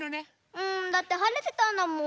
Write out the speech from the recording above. うんだってはれてたんだもん。